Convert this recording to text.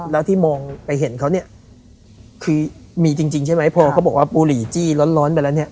แล้วที่มองไปเห็นเขาเนี่ยคือมีจริงใช่ไหมพอเขาบอกว่าบุหรี่จี้ร้อนไปแล้วเนี่ย